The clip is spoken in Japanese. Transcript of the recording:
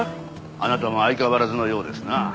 あなたも相変わらずのようですな。